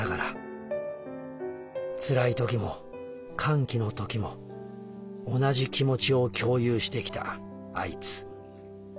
つらい時も歓喜の時も同じ気持ちを共有してきたアイツ。